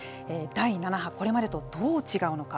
第７波、これまでとどう違うのか。